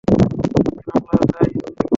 এই মামলার দায় আমি নিব।